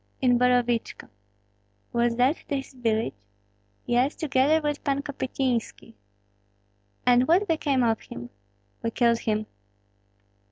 "In Borovichko." "Was that his village?" "Yes, together with Pan Kopystynski." "And what became of him?" "We killed him."